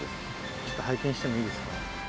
ちょっと拝見してもいいですか？